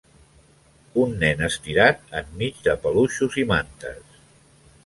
Un nen estirat enmig de peluixos i mantes.